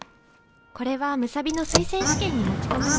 これは武蔵美の推薦試験に持ち込むの。